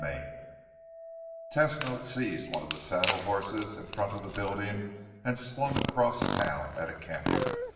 XXIII Tesno seized one of the saddle horses in front of the building and swung across town at a canter.